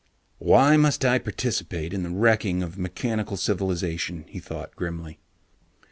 Why must I participate in the wrecking of mechanical civilization? he thought grimly.